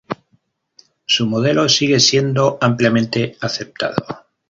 Su modelo sigue siendo ampliamente aceptado.